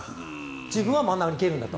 自分は真ん中蹴るんだと。